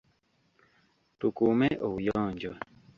Tukuume obuyonjo.